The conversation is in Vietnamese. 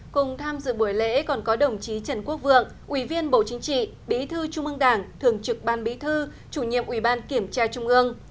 cùng tham dự buổi lễ còn có đồng chí trần quốc vượng ủy viên bộ chính trị bí thư trung ương đảng thường trực ban bí thư chủ nhiệm ủy ban kiểm tra trung ương